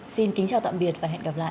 xin kính chào tạm biệt và hẹn gặp lại